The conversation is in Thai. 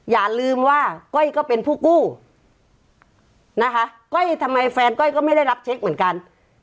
อย่าลืมว่าก้อยก็เป็นผู้กู้นะคะก้อยทำไมแฟนก้อยก็ไม่ได้รับเช็คเหมือนกัน